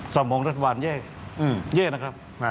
สมของรัฐบาลแย่นะครับ